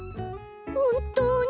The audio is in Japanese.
ほんとうに？